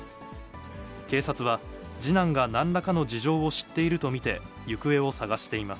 警察は、次男がなんらかの事情を知っていると見て、行方を捜しています。